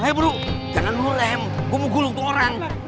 gue mau gulung tuh orang